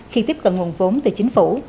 khi tiếp cận nguồn vốn từ chính phủ